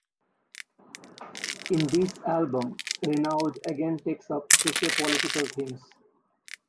In this album Renaud again takes up socio-political themes.